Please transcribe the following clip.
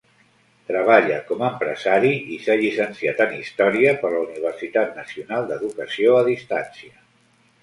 Treballa com empresari i s'ha llicenciat en història per la Universitat Nacional d'Educació a Distància.